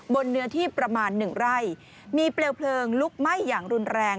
เนื้อที่ประมาณหนึ่งไร่มีเปลวเพลิงลุกไหม้อย่างรุนแรง